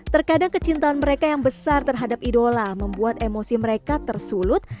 terkadang kecintaan mereka yang besar terhadap idola membuat emosi mereka tersulut